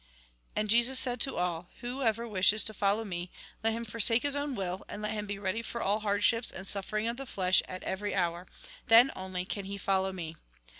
And Jesus said to all :" Whoever wishes to fol low me, let him forsake his own will, and let him be ready for all hardships and sufferings of the flesh at every hour ; then only can he follow me.